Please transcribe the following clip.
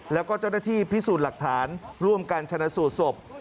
แล้วก็เจ้าหน้าที่พิสูจน์หลักฐานร่วมกันชนะสูตรศพ